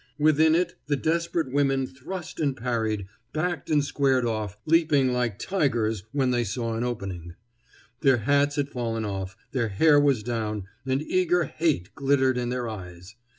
Within it the desperate women thrust and parried, backed and squared off, leaping like tigers when they saw an opening. Their hats had fallen off, their hair was down, and eager hate glittered in their eyes.